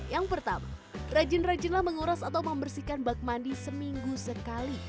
yang pertama rajin rajinlah menguras atau membersihkan bak mandi seminggu sekali